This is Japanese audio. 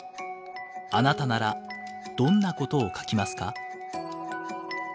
あなたならどんなことを書きますか？